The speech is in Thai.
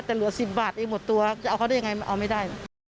แต่เหลือ๑๐บาทเองหมดตัวจะเอาเขาได้ยังไงมันเอาไม่ได้